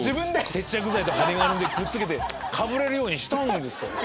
接着剤と針金でくっつけてかぶれるようにしたんですよ。